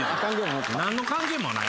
何の関係もない。